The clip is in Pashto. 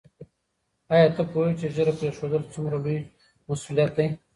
آیا ته پوهېږې چې ږیره پرېښودل څومره لوی مسؤلیت دی؟